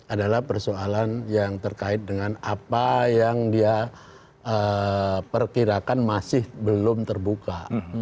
adalah persoalan yang terkait dengan apa yang dia perkirakan masih belum terbuka